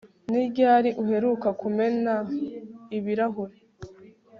Ni ryari uheruka kumena ibirahuri